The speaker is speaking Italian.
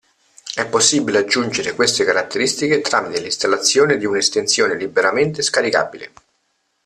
È possibile aggiungere queste caratteristiche tramite l'installazione di una estensione liberamente scaricabile.